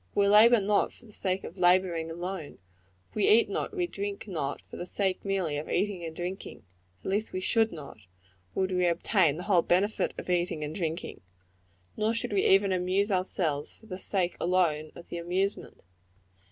We labor not for the sake of laboring, alone; we eat not, and we drink not, for the sake, merely, of eating and drinking at least we should not, would we obtain the whole benefit of eating and drinking; nor should we even amuse ourselves for the sake alone of the amusement.